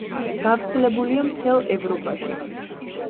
გავრცელებულია მთელ ევროპაში.